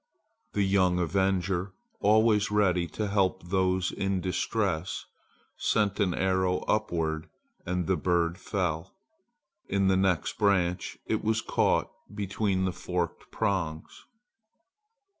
The young avenger, always ready to help those in distress, sent an arrow upward and the bird fell. In the next branch it was caught between the forked prongs.